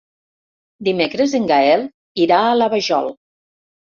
Dimecres en Gaël irà a la Vajol.